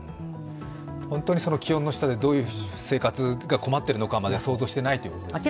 本当にその気温の下でどう生活が困っているのか想像していないということですね。